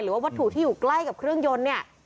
วัตถุที่อยู่ใกล้กับเครื่องยนต์เนี่ย